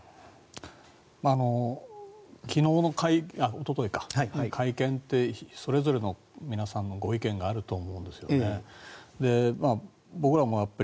おとといの会見ってそれぞれの皆さんのご意見があると思うんですよね。